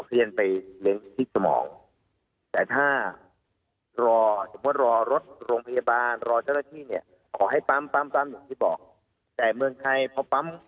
ที่เนี่ยขอให้ปั๊มปั๊มปั๊มอย่างที่บอกแต่เมืองไทยพอปั๊ม